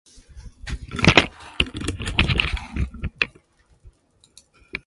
僕にとって貴方は命だ